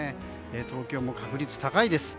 東京も確率、高いです。